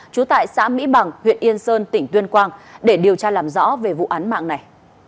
trú tại xã mỹ bằng huyện yên sơn tỉnh tuyên quang để điều tra làm rõ về vụ án mạng này